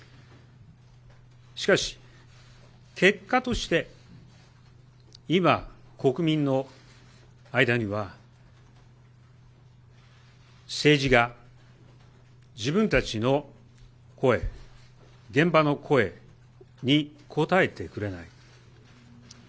しかし結果として、今、国民の間には、政治が自分たちの声、現場の声に応えてくれない。